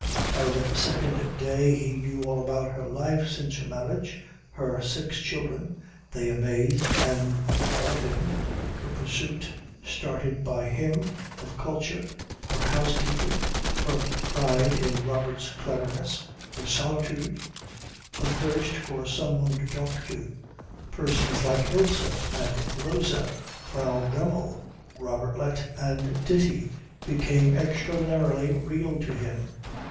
By the second day he knew all about her life since her marriage, her six children they amazed and appalled him her pursuit, started by him, of culture, her housekeeping, her pride in Robert's cleverness, her solitude, her thirst for some one to talk to. Persons like Ilse and Rosa, Frau Dremmel, Robertlet and Ditti, became extraordinarily real to him.